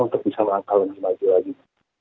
untuk bisa melakukan kemajuan